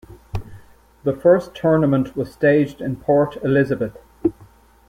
The first tournament was staged in Port Elizabeth.